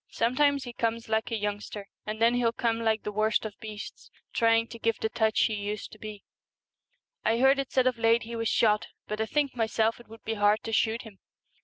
Some times he comes like a youngster, and then he'll come like the worst of beasts, trying to give the touch he used to be. I heard it said of late he was shot, but I think myself it would be hard to shoot him.'